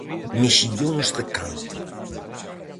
Mexillóns de campo.